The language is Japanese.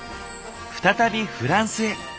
再びフランスへ。